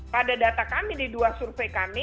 pada data kami di dua survei kami